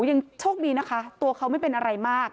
ยังโชคดีนะคะตัวเขาไม่เป็นอะไรมาก